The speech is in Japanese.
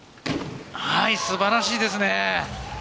素晴らしいですね。